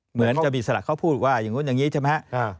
เหมือนจะมีสระเขาพูดว่าอย่างนู้นอย่างนี้ใช่ไหมครับ